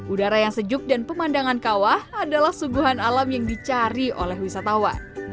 udara yang sejuk dan pemandangan kawah adalah suguhan alam yang dicari oleh wisatawan